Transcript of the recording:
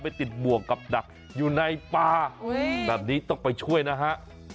ติดบ่วงกับดักอยู่ในป่าแบบนี้ต้องไปช่วยนะฮะ